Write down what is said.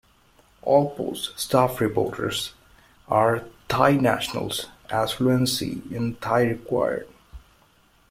All "Post" staff reporters are Thai nationals, as fluency in Thai required.